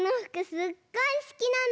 すっごいすきなの。